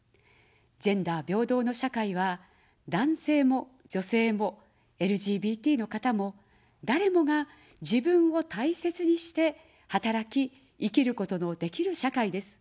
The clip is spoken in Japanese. ジェンダー平等の社会は、男性も女性も、ＬＧＢＴの方も、誰もが自分を大切にして働き、生きることのできる社会です。